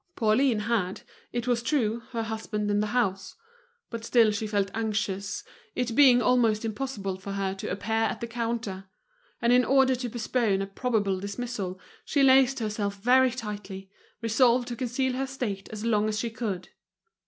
Pauline had, it was true, her husband in the house; but still she felt anxious, it being almost impossible for her to appear at the counter; and in order to postpone a probable dismissal, she laced herself very tightly, resolved to conceal her state as long as she could.